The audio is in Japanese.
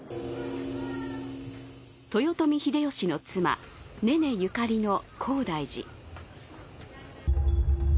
豊臣秀吉の妻・ねねゆかりの高台寺。